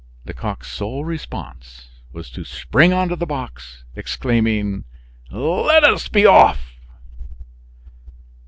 Lecoq's sole response was to spring on to the box, exclaiming: "Let us be off."